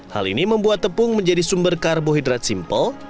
hal ini membuat tepung menjadi sumber karbohidrat simpel